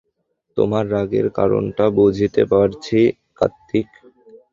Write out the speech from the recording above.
তোমার রাগের কারণটা বুঝতে পারছি কার্তিক।